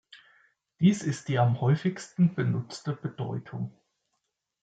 Dies ist die am häufigsten benutzte Bedeutung.